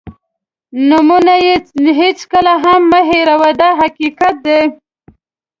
نومونه یې هېڅکله هم مه هېروه دا حقیقت دی.